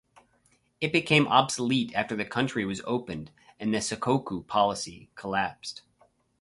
It became obsolete after the country was opened and the "sakoku" policy collapsed.